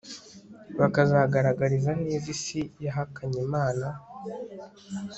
bakazagaragariza neza isi yahakanye Imana